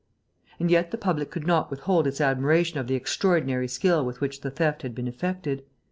And yet the public could not withhold its admiration of the extraordinary skill with which the theft had been effected.